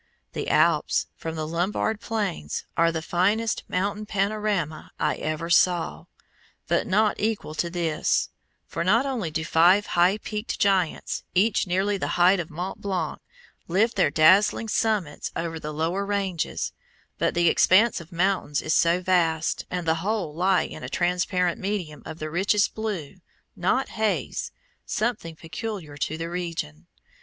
The Alps, from the Lombard Plains, are the finest mountain panorama I ever saw, but not equal to this; for not only do five high peaked giants, each nearly the height of Mont Blanc, lift their dazzling summits above the lower ranges, but the expanse of mountains is so vast, and the whole lie in a transparent medium of the richest blue, not haze something peculiar to the region.